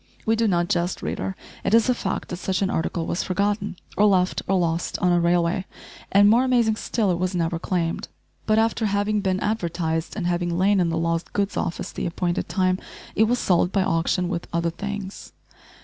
We do not jest, reader. It is a fact that such an article was forgotten, or left or lost, on a railway, and, more amazing still, it was never claimed, but after having been advertised, and having lain in the lost goods office the appointed time, it was sold by auction with other things.